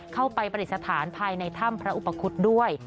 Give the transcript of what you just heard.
เข้าไปปฏิสถานภายในถ้ำพระอุปคุฏด้วย